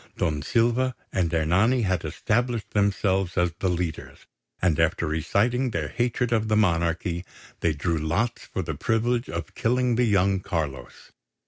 Don Silva and Ernani had established themselves as the leaders; and after reciting their hatred of the monarchy, they drew lots for the privilege of killing the young Carlos.